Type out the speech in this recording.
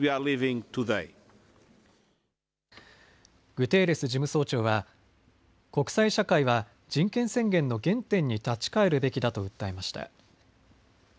グテーレス事務総長は国際社会は人権宣言の原点に立ち返るべきだと訴えました。